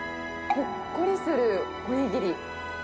ほっこりするおにぎり。